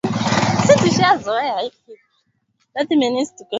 na hapo jana australia wamefunzu katika hatua